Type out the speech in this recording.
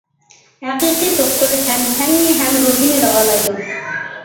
ھەقىقىي دوختۇر ھەم تەننى، ھەم روھنى داۋالايدۇ.